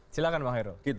silahkan pak hero